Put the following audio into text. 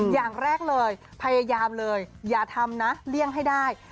อย่างแรกเลยพยายามเลยอย่าทำนะเลี่ยงให้ได้